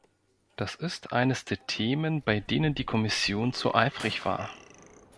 Das ist eines der Themen, bei denen die Kommission zu eifrig war.